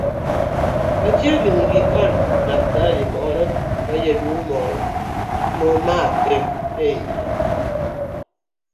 Machiegni gi od laktar moro ma jaduong' moro nomake iye.